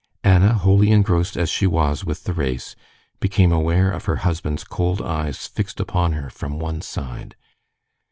Anna, wholly engrossed as she was with the race, became aware of her husband's cold eyes fixed upon her from one side.